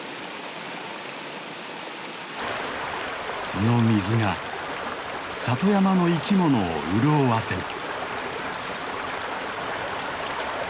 その水が里山の生き物を潤わせる。